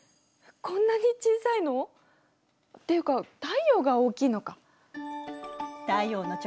こんなに小さいの？っていうか太陽が大きいのか！